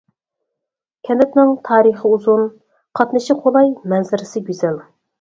كەنتنىڭ تارىخى ئۇزۇن، قاتنىشى قولاي، مەنزىرىسى گۈزەل.